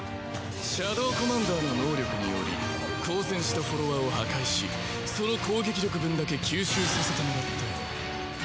シャドウコマンダーの能力により交戦したフォロワーを破壊しその攻撃力分だけ吸収させてもらったよ。